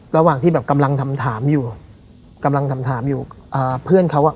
ระหว่างที่แบบกำลังทำถามอยู่กำลังทำถามอยู่อ่าเพื่อนเขาอ่ะ